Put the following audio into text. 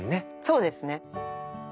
そうですね。